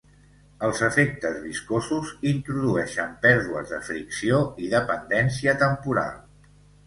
Els efectes viscosos introdueixen pèrdues de fricció i dependència temporal.